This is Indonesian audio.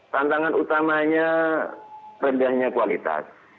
tantangan utamanya rendahnya kualitas